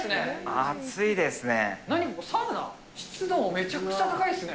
暑いですね。